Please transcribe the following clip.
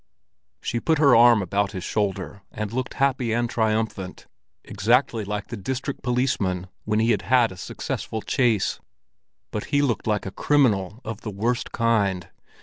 She put her arm about his shoulder, and looked happy and triumphant, exactly like the district policeman when he has had a successful chase; but he looked like a criminal of the worst kind.